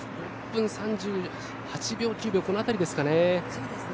１分３８秒３９秒この辺りですかね。